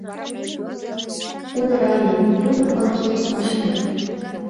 Удырале — тулым ылыжтен ыш керт.